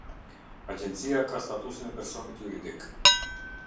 Agjencia ka statusin e personit juridik.